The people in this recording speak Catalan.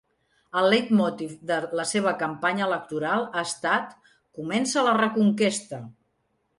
El leitmotiv de la seva campanya electoral ha estat ‘Comença la Reconquesta’.